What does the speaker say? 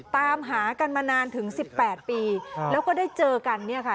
ตามหากันมานานถึงสิบแปดปีแล้วก็ได้เจอกันเนี่ยค่ะ